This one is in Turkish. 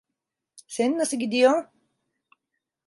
Senin nasıl gidiyor?